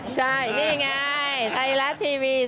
ใช่นี่ไงไทยรัฐทีวี